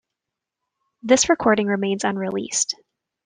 This recording remains unreleased.